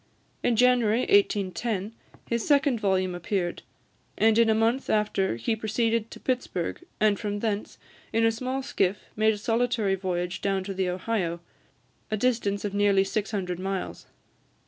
In January 1810, his second volume appeared, and in a month after he proceeded to Pittsburg, and from thence, in a small skiff, made a solitary voyage down the Ohio, a distance of nearly six hundred miles.